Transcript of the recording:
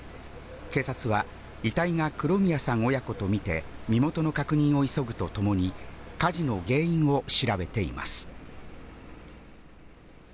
警察は遺体が黒宮さん親子とみて身元の確認を急ぐとともに火事の原因を調べています。